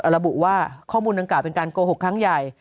ระบุว่าข้อมูลดังกล่าเป็นการโกหกครั้งใหญ่